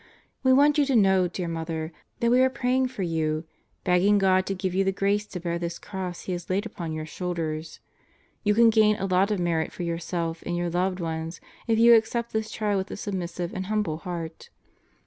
We want you to know, dear Mother, that we are praying for you, begging God to give you the grace to bear this cross He has laid upon your shoulders. You can gain a lot of merit for yourself and your loved ones if you accept this trial with a submissive and humble heart.